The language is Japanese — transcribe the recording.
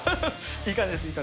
いい感じです。